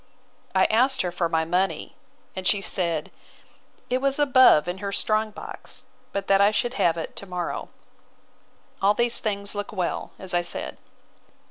I asked her for my money; and she said, it was above in her strong box, but that I should have it to morrow. All these things look well, as I said.